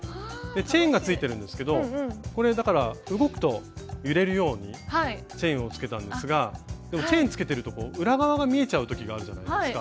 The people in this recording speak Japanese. チェーンがついてるんですけどこれだから動くと揺れるようにチェーンをつけたんですがでもチェーンつけてると裏側が見えちゃうときがあるじゃないですか。